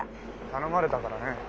頼まれたからね。